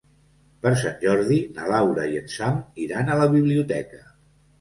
Per Sant Jordi na Laura i en Sam iran a la biblioteca.